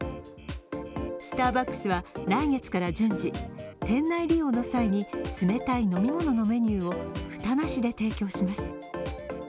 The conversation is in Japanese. スターバックスは来月から順次店内利用の際に冷たい飲み物のメニューを蓋なしで提供します。